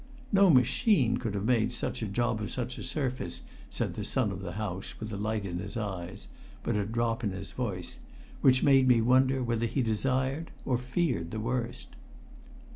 No machine could have made such a job of such a surface, said the son of the house, with a light in his eyes, but a drop in his voice, which made me wonder whether he desired or feared the worst.